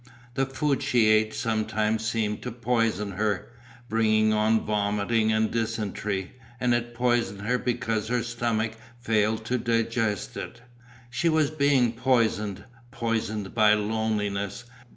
The food she ate sometimes seemed to poison her, bringing on vomiting and dysentery, and it poisoned her because her stomach failed to digest it. She was being poisoned, poisoned by loneliness.